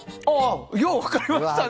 よう分かりましたね！